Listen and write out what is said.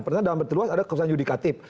pertama dalam berteruas ada keputusan yudikatif